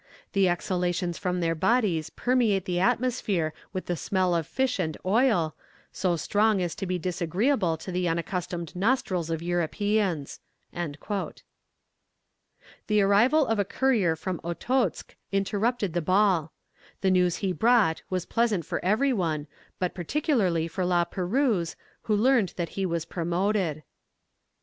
The exhalations from their bodies permeate the atmosphere with the smell of fish and oil, so strong as to be disagreeable to the unaccustomed nostrils of Europeans." The arrival of a courier from Okotsk interrupted the ball. The news he brought was pleasant for every one, but particularly for La Perouse, who learned that he was promoted.